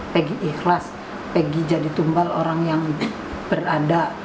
pergi ikhlas pergi jadi tumbal orang yang berada